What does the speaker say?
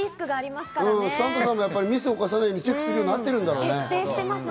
サンタさんもミスをしないようにチェックするようになってるんだね。